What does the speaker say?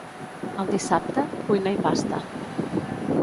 El dissabte, cuina i pasta.